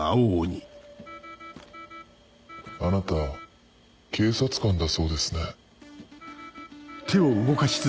あなた警察官だそうですね。